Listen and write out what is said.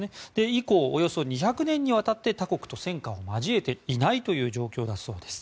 以降およそ２００年にわたって他国と戦火は交えていない状況だそうです。